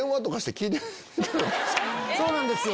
そうなんですよ